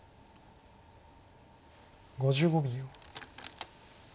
５５秒。